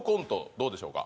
どうでしょうか？